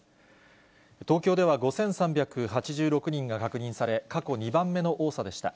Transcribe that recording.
東京では５３８６人が確認され、過去２番目の多さでした。